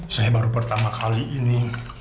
saya baru pertama kali ini